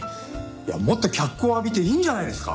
もっと脚光を浴びていいんじゃないですか？